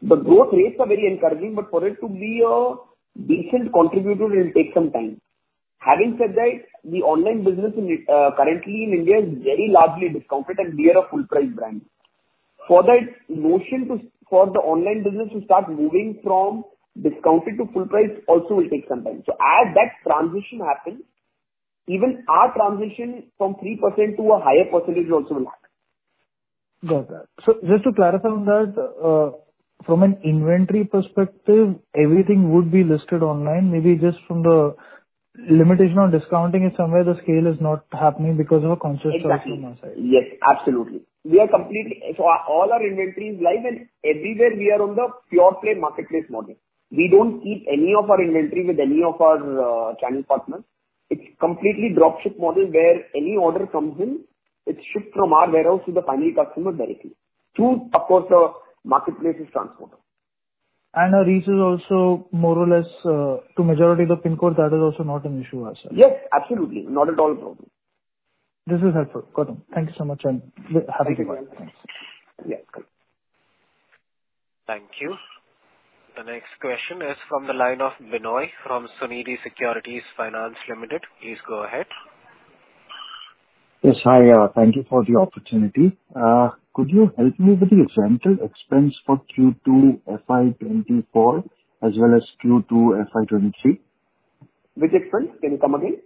The growth rates are very encouraging, but for it to be a decent contributor, it'll take some time. Having said that, the online business in, currently in India is very largely discounted and we are a full price brand. For that notion to, for the online business to start moving from discounted to full price also will take some time. As that transition happens, even our transition from 3% to a higher percentage also will happen. Got that. Just to clarify on that, from an inventory perspective, everything would be listed online. Maybe just from the limitation on discounting is somewhere the scale is not happening because of a conscious choice from our side. Exactly. Yes, absolutely. We are completely... So, all our inventory is live and everywhere we are on the pure play marketplace model. We don't keep any of our inventory with any of our channel partners. It's completely drop ship model, where any order comes in, it's shipped from our warehouse to the final customer directly, through, of course, a marketplace's transporter.... and our reach is also more or less to majority of the pin code. That is also not an issue also? Yes, absolutely. Not at all a problem. This is helpful, Gautam. Thank you so much, and have a good one. Thank you. Yeah. Thank you. The next question is from the line of Binoy from Sunidhi Securities & Finance Limited. Please go ahead. Yes, hi. Thank you for the opportunity. Could you help me with the rental expense for Q2 FY 2024, as well as Q2 FY2023? Which expense? Can you come again?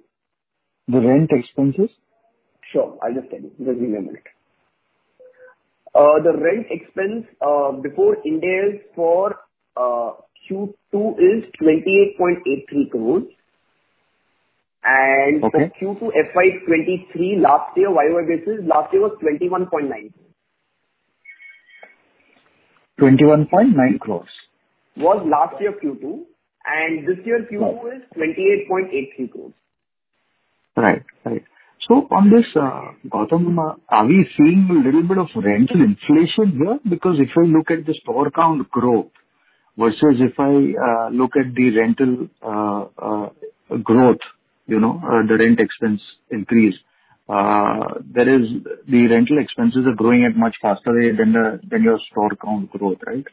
The rent expenses. Sure, I'll just tell you. Just give me a minute. The rent expense, before Ind AS for Q2 is 28.83 crores. Okay. For Q2 FY 2023, last year, year-over-year basis, last year was 21.9%. 21.9 crore? Was last year Q2, and this year- Okay. Q2 is 28.83 crores. Right. Right. So on this, Gautam, are we seeing a little bit of rental inflation here? Because if I look at the store count growth versus if I look at the rental growth, you know, the rent expense increase, that is, the rental expenses are growing at much faster rate than the, than your store count growth, right?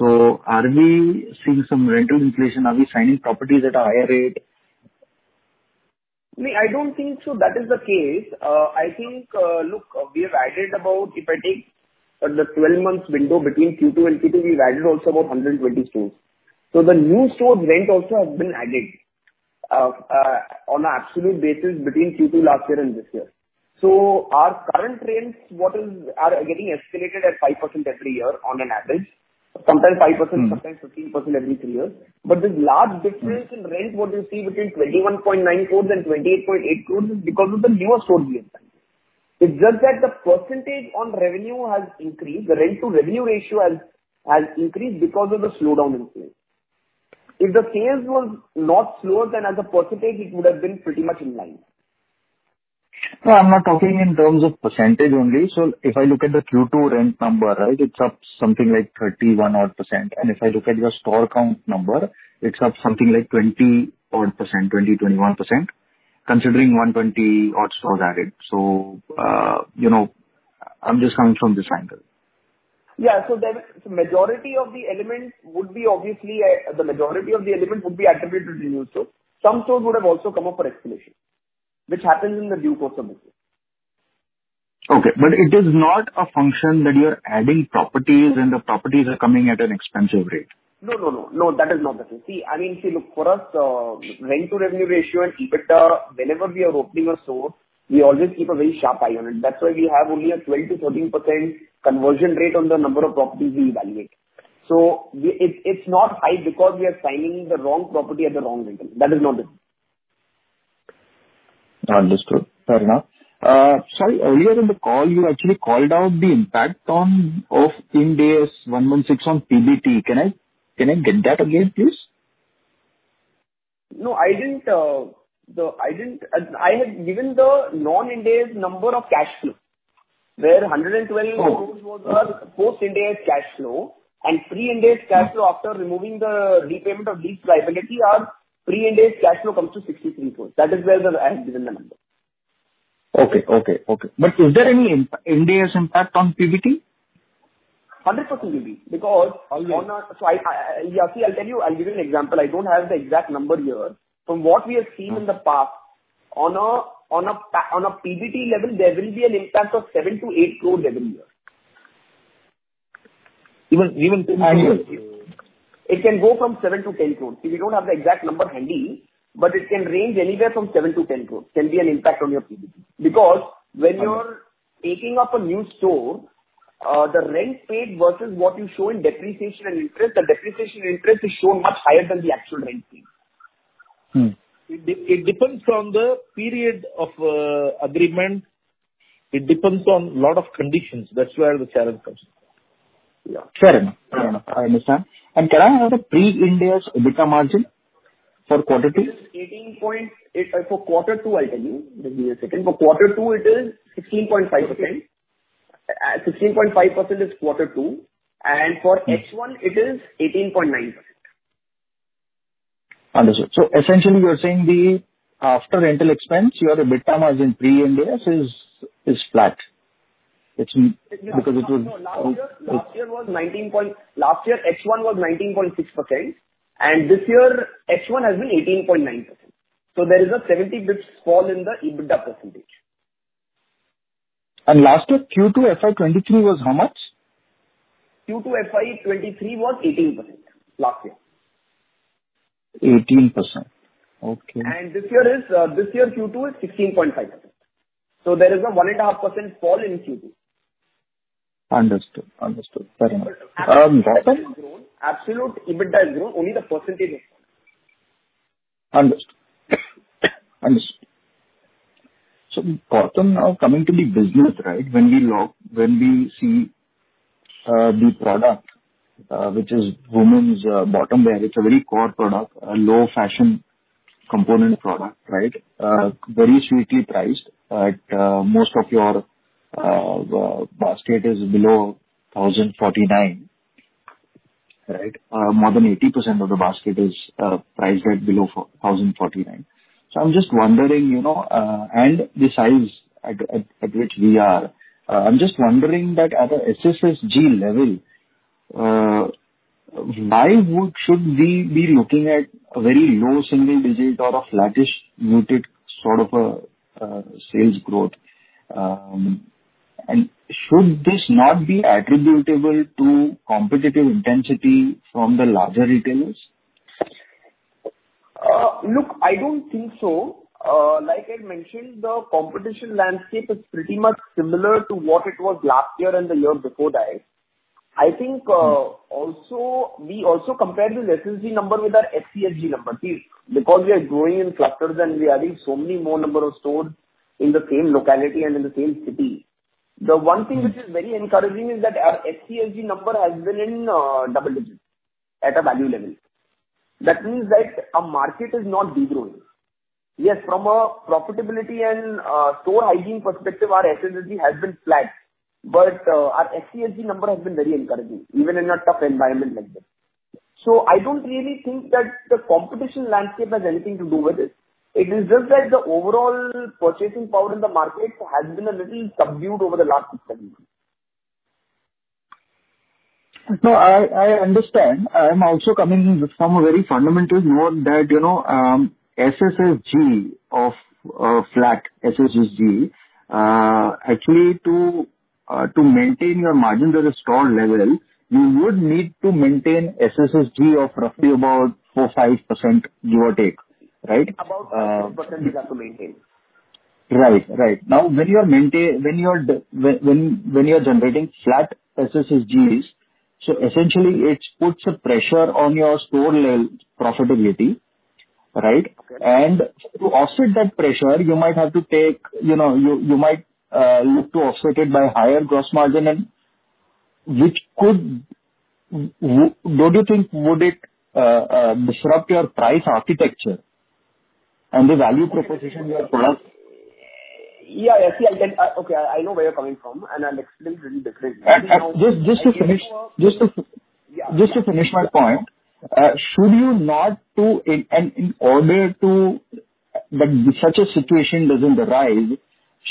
So are we seeing some rental inflation? Are we signing properties at a higher rate? Me, I don't think so that is the case. I think, look, we have added about, if I take the 12-month window between Q2 and Q2, we've added also about 120 stores. So the new stores rent also has been added, on an absolute basis between Q2 last year and this year. So our current rents, what is, are getting escalated at 5% every year on an average. Sometimes 5%- Mm-hmm. - sometimes 15% every two years. But the large difference- Mm-hmm. In rent, what you see between 21.9 crores and 28.8 crores is because of the newer stores we have. It's just that the percentage on revenue has increased. The rent-to-revenue ratio has increased because of the slowdown in sales. If the sales was not slower, then as a percentage, it would have been pretty much in line. No, I'm not talking in terms of percentage only. So if I look at the Q2 rent number, right, it's up something like 31% odd, and if I look at your store count number, it's up something like 20% odd, 20%, 21%, considering 120 odd stores added. So, you know, I'm just coming from this angle. Yeah. So then, so majority of the elements would be obviously... the majority of the elements would be attributed to new stores. Some stores would have also come up for escalation, which happens in the due course of business. Okay, but it is not a function that you are adding properties, and the properties are coming at an expensive rate? No, no, no. No, that is not the case. See, I mean, see, look, for us, rent-to-revenue ratio and EBITDA, whenever we are opening a store, we always keep a very sharp eye on it. That's why we have only a 12%-13% conversion rate on the number of properties we evaluate. So we, it's, it's not high because we are signing the wrong property at the wrong rent. That is not it. Understood. Fair enough. Sorry, earlier in the call, you actually called out the impact of Ind AS 116 on PBT. Can I get that again, please? No, I didn't. I had given the non-Ind AS number of cash flow, where 112- Oh. Crores was a post-Ind AS cash flow, and pre-Ind AS cash flow after removing the repayment of lease liability are pre-Ind AS cash flow comes to 63 crores. That is where the, I have given the number. Okay, okay, okay. But is there any Ind AS impact on PBT? 100% will be, because- Okay. So, I, yeah, see, I'll tell you, I'll give you an example. I don't have the exact number here. From what we have seen- Mm. In the past, on a PBT level, there will be an impact of 7 crore-8 crore every year. Even, even 10 crore? It can go from 7 crore to 10 crore. See, we don't have the exact number handy, but it can range anywhere from 7 crore to 10 crore, can be an impact on your PBT. Because- When you're taking up a new store, the rent paid versus what you show in depreciation and interest, the depreciation and interest is shown much higher than the actual rent paid. Mm. It depends on the period of agreement. It depends on lot of conditions. That's where the challenge comes in. Yeah. Fair enough. Fair enough, I understand. And can I have the pre-Ind AS EBITDA margin for quarter two? Eighteen point... For quarter two, I'll tell you. Just give me a second. For quarter two, it is 16.5%. Okay. 16.5% is quarter two, and for- Mm. H1, it is 18.9%. Understood. So essentially you're saying the after rental expense, your EBITDA margin pre-Ind AS is flat. It's because it was- No, last year, H1 was 19.6%, and this year, H1 has been 18.9%. So there is a 70 basis points fall in the EBITDA percentage. Last year, Q2 FY 2023 was how much? Q2 FY 2023 was 18% last year. 18%. Okay. This year Q2 is 16.5%. So there is a 1.5% fall in Q2. Understood. Understood. Fair enough. Gautam- Absolute EBITDA has grown. Only the percentage has fallen. Understood. Understood. So Gautam, now coming to the business, right? When we look, when we see, the product, which is women's bottom wear, it's a very core product, a low-fashion component product, right? Very sweetly priced at, most of your basket is below 1,049, right? More than 80% of the basket is priced at below 1,049. So I'm just wondering, you know, and the size at which we are, I'm just wondering that at a SSSG level, why should we be looking at a very low single digit or a flattish muted sort of a sales growth, and should this not be attributable to competitive intensity from the larger retailers? Look, I don't think so. Like I mentioned, the competition landscape is pretty much similar to what it was last year and the year before that. I think, also, we also compared the SSG number with our SCSG number. See, because we are growing in clusters and we are adding so many more number of stores in the same locality and in the same city, the one thing which is very encouraging is that our SCSG number has been in double digits at a value level. That means that our market is not degrowing. Yes, from a profitability and store hygiene perspective, our SSG has been flat, but our SCSG number has been very encouraging, even in a tough environment like this. So I don't really think that the competition landscape has anything to do with it. It is just that the overall purchasing power in the market has been a little subdued over the last six months. No, I, I understand. I'm also coming in from a very fundamental view that, you know, SSSG of flat SSSG, actually to to maintain your margin at a store level, you would need to maintain SSSG of roughly about 4%-5%, give or take, right? About 4% we have to maintain. Right. Now, when you are generating flat SSSGs, so essentially it puts a pressure on your store level profitability, right? And to offset that pressure, you might have to, you know, look to offset it by higher gross margin, which could... Would you think, would it disrupt your price architecture and the value proposition your products? Yeah, yeah. See, I can... okay, I know where you're coming from, and I'll explain it little bit differently. Just, just to finish- Yeah. Just to finish my point, should you not to, and, and in order to, that such a situation doesn't arise,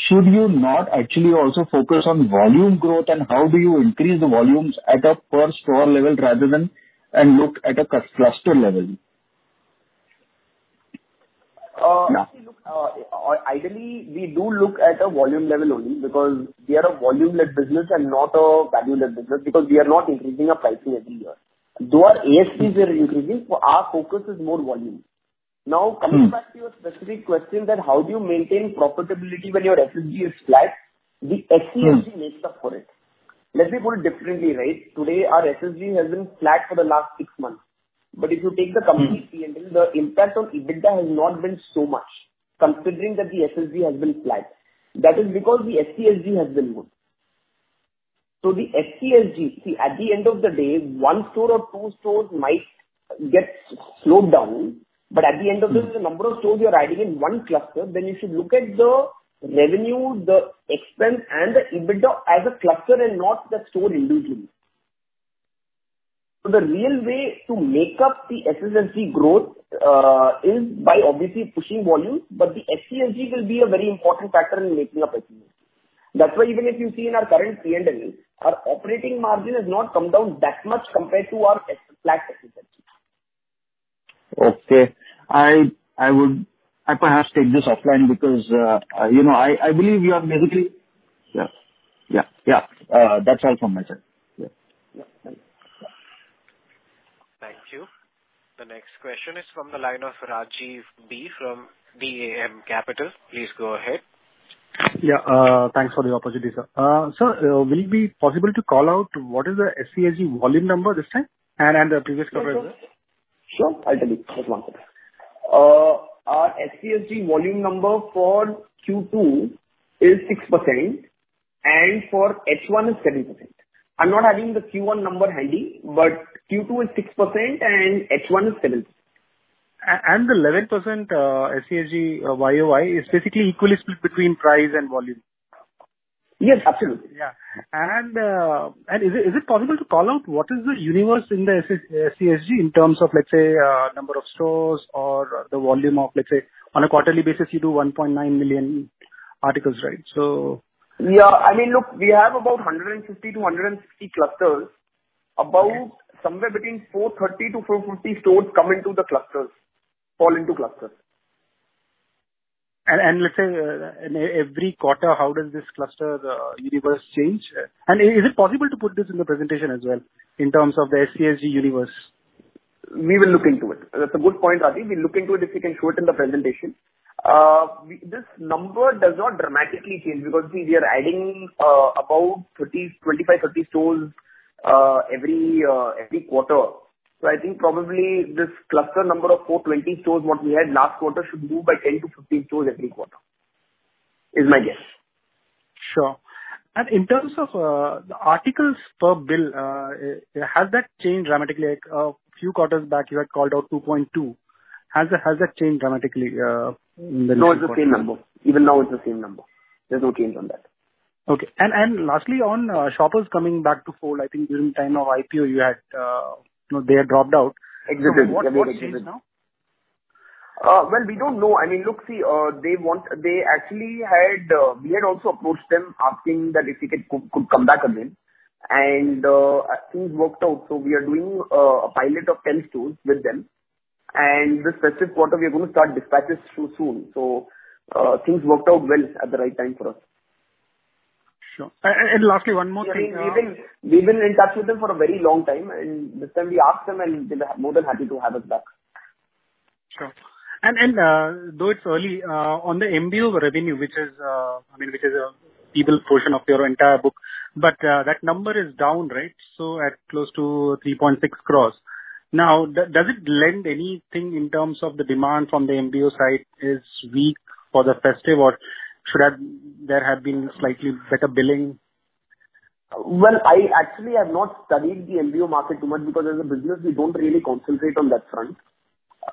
should you not actually also focus on volume growth? And how do you increase the volumes at a per store level rather than, and look at a cluster level? Uh, Yeah. Ideally, we do look at a volume level only because we are a volume-led business and not a value-led business, because we are not increasing our pricing every year. Though our ASPs are increasing, so our focus is more volume. Mm. Now, coming back to your specific question that how do you maintain profitability when your SSG is flat, the SCSG- Mm makes up for it. Let me put it differently, right? Today, our SSG has been flat for the last six months, but if you take the complete- Mm P&L, the impact on EBITDA has not been so much, considering that the SSG has been flat. That is because the SCSG has been good. So the SCSG, see, at the end of the day, one store or two stores might get slowed down, but at the end of the day- Mm The number of stores you're adding in one cluster, then you should look at the revenue, the expense, and the EBITDA as a cluster and not the store individually. So the real way to make up the SSG growth is by obviously pushing volumes, but the SCSG will be a very important factor in making up the growth. That's why even if you see in our current P&L, our operating margin has not come down that much compared to our SSG flat. Okay. I would perhaps take this offline because, you know, I believe you have basically... Yeah. Yeah, yeah. That's all from my side. Yeah. Yeah. Thank you. The next question is from the line of Rajiv B from DAM Capital. Please go ahead. Yeah. Thanks for the opportunity, sir. Sir, will it be possible to call out what is the SCSG volume number this time and, and the previous quarter as well? Sure, I'll tell you. Just one second. Our SCSG volume number for Q2 is 6%, and for H1 is 7%. I'm not having the Q1 number handy, but Q2 is 6% and H1 is 7%. And the 11% SCSG YoY is basically equally split between price and volume? Yes, absolutely. Yeah. And, and is it, is it possible to call out what is the universe in the SS, SCSG in terms of, let's say, number of stores or the volume of, let's say, on a quarterly basis, you do 1.9 million articles, right? So... Yeah. I mean, look, we have about 150-160 clusters- Yeah. About somewhere between 430 store-450 stores come into the clusters, fall into clusters. And let's say, in every quarter, how does this cluster universe change? And is it possible to put this in the presentation as well, in terms of the SCSG universe? We will look into it. That's a good point, Rajiv. We'll look into it if we can show it in the presentation. We... This number does not dramatically change because we are adding about 25 store-30 stores every quarter. So I think probably this cluster number of 420 stores what we had last quarter should move by 10 stores-15 stores every quarter... is my guess. Sure. And in terms of, the articles per bill, has that changed dramatically? Like, a few quarters back, you had called out 2.2. Has that changed dramatically, in the- No, it's the same number. Even now, it's the same number. There's no change on that. Okay. Lastly, on shoppers coming back to fold, I think during the time of IPO, you had, you know, they had dropped out. Exited. What, what changed now? Well, we don't know. I mean, look, see, they want... They actually had, we had also approached them asking that if they could, could come back again, and things worked out. So we are doing a pilot of 10 stores with them, and this festive quarter we are going to start dispatches soon. So, things worked out well at the right time for us. Sure. And lastly, one more thing, We've been, we've been in touch with them for a very long time, and this time we asked them, and they were more than happy to have us back. Sure. And though it's early on the MBO revenue, which is, I mean, which is a vital portion of your entire book, but that number is down, right? So at close to 3.6 crores. Now, does it lend anything in terms of the demand from the MBO side is weak for the festive, or should have, there have been slightly better billing? Well, I actually have not studied the MBO market too much because as a business, we don't really concentrate on that front.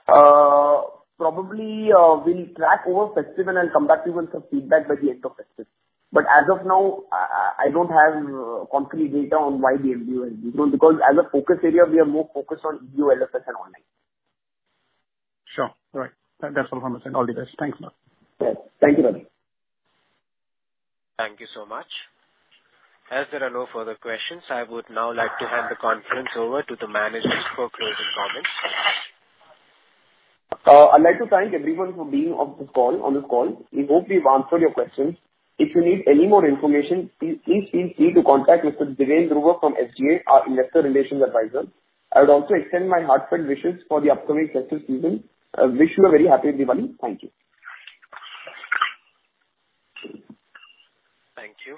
Probably, we'll track over festive, and I'll come back to you with some feedback by the end of festive. But as of now, I don't have concrete data on why the MBO is because as a focus area, we are more focused on EBO, LFS, and online. Sure. All right. That's all from my side. All the best. Thanks a lot. Yes. Thank you, Rajiv. Thank you so much. As there are no further questions, I would now like to hand the conference over to the management for closing comments. I'd like to thank everyone for being on this call, on this call. We hope we've answered your questions. If you need any more information, please, please feel free to contact Mr. Dhiren Grover from SGA, our investor relations advisor. I would also extend my heartfelt wishes for the upcoming festive season. I wish you a very happy Diwali. Thank you. Thank you.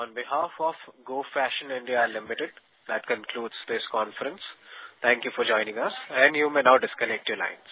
On behalf of Go Fashion (India) Limited, that concludes this conference. Thank you for joining us, and you may now disconnect your lines.